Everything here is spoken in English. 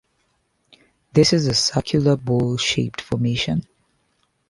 This is a circular, bowl-shaped formation.